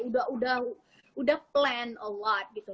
udah udah udah plan a lot gitu